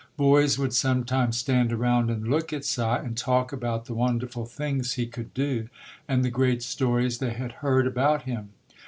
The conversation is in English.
Boys would sometimes stand around and look at "Si" and talk about the wonderful things he could do and the great stories they had heard about him.